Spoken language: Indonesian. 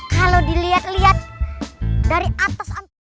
kalau diliat liat dari atas